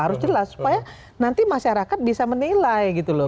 harus jelas supaya nanti masyarakat bisa menilai gitu loh